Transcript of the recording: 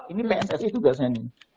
ini pssi tugasnya nih